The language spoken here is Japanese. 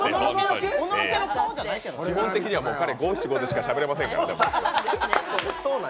基本的には彼、五七五でしかしゃべれませんからね。